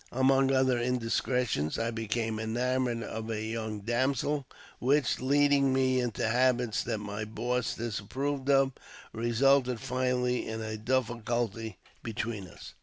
Among other indiscretions, I became enamoured of a young damsel, which, leading me into habits that my boss dis approved of, resulted finally in a difficulty between us.